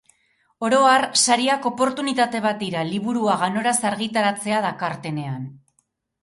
Oro har, sariak oportunitate bat dira liburua ganoraz argitaratzea dakartenean.